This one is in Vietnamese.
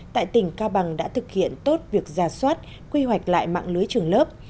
tại tỉnh cao bằng đã thực hiện tốt việc ra soát quy hoạch lại mạng lưới trường lớp